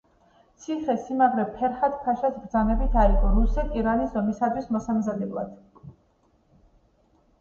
ციხესიმაგრე ფერჰად-ფაშას ბრძანებით აიგო, რუსეთ-ირანის ომისათვის მოსამზადებლად.